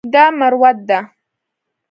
دا مروت ده.